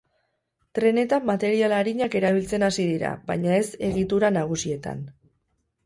Trenetan material arinak erabiltzen hasi dira, baina ez egitura nagusietan.